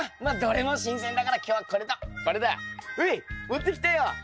まっどれも新鮮だから今日はこれとこれだ。ほい持ってきたよ。